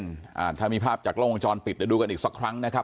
อ่าถ้ามีภาพจากกล้องวงจรปิดเดี๋ยวดูกันอีกสักครั้งนะครับ